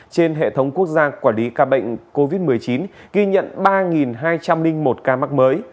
trên hệ thống quốc gia quản lý ca bệnh covid một mươi chín ghi nhận ba hai trăm linh một ca mắc mới